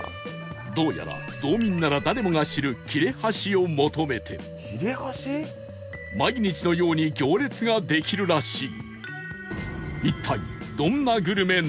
どうやら道民なら誰もが知る切れ端を求めて毎日のように行列ができるらしい